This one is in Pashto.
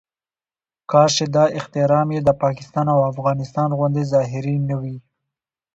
کاش چې دا احترام یې د پاکستان او افغانستان غوندې ظاهري نه وي.